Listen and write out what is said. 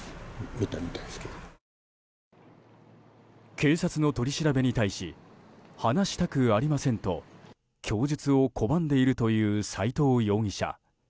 警察の取り調べに対し話したくありませんと供述を拒んでいるという斎藤容疑者。